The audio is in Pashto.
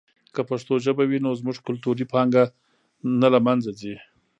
که پښتو ژبه وي نو زموږ کلتوري پانګه نه له منځه ځي.